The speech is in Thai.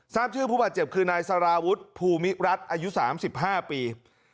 ทราบชื่อผู้บาดเจ็บคือนายสารวุฒิภูมิรัฐอายุ๓๕ปี